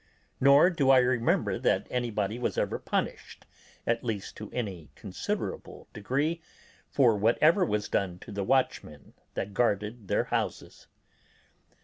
Nor do I remember that anybody was ever punished, at least to any considerable degree, for whatever was done to the watchmen that guarded their houses.